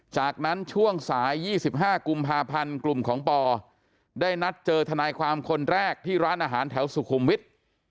จากนั้นช่วงสาย๒๕กุมภาพันธ์กลุ่มของปอได้นัดเจอทนายความคนแรกที่ร้านอาหารแถวสุขุมวิทย์